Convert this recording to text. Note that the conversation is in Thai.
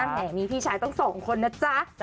นึงพี่ชายต้อง๒คนแล้วจ้ะ